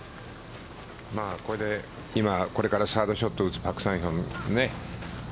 これで今、これからサードショットを打つパク・サンヒョンね。